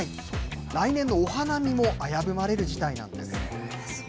来年のお花見も危ぶまれる事態なんです。